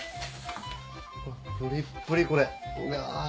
プリップリこれうわぁ。